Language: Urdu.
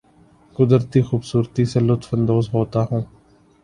قدرتی خوبصورتی سے لطف اندوز ہوتا ہوں